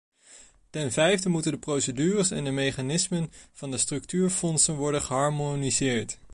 Ten vijfde moeten de procedures en de mechanismen van de structuurfondsen worden geharmoniseerd.